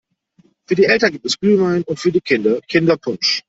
Für die Eltern gibt es Glühwein und für die Kinder Kinderpunsch.